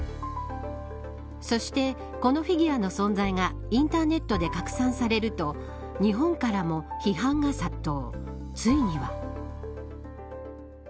そして、このフィギュアの存在がインターネットで拡散されると日本からも批判が殺到。